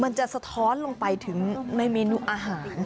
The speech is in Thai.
สะท้อนลงไปถึงในเมนูอาหาร